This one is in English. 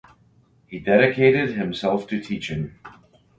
He dedicated himself to teaching.